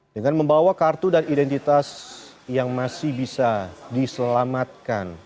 dengan membawa kartu dan identitas yang masih bisa diselamatkan